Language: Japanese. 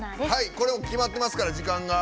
これは決まってますから時間が。